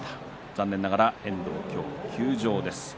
残念ながら遠藤は今日から休場です。